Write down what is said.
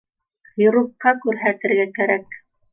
Хирургка күрһәтергә кәрәк